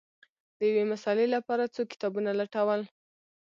د یوې مسألې لپاره څو کتابونه لټول